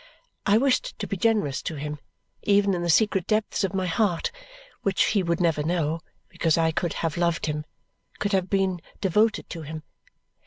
I wished to be generous to him, even in the secret depths of my heart, which he would never know, because I could have loved him could have been devoted to him.